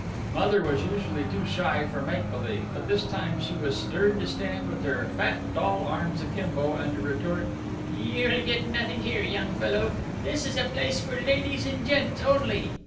Mother was usually too shy for make believe, but this time she was stirred to stand with her fat doll arms akimbo, and to retort, "You'll get nothing here, young fellow. This is a place for ladies and gents only!"